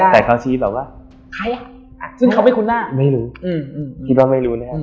แต่เขาชี้แบบว่าใคระซึ่งเขามิคุ้นน่าไม่รู้